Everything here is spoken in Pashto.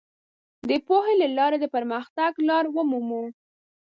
د پوهې له لارې د پرمختګ لار ومومو.